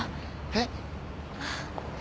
えっ？